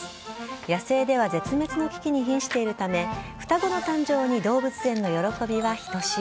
野生では絶滅の危機にひんしているため、双子の誕生に動物園の喜びはひとしお。